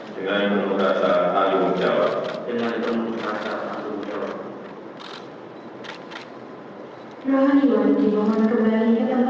dengan penguasa al umjawab